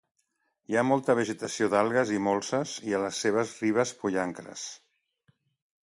Hi ha molta vegetació d'algues i molses i a les seves ribes pollancres.